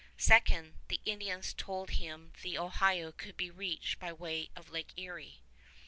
Second, the Indians told him the Ohio could be reached by way of Lake Erie.